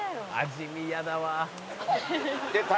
「味見嫌だわ」